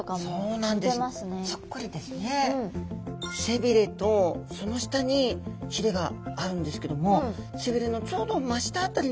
背びれとその下にひれがあるんですけども背びれのちょうど真下辺りにあるひれ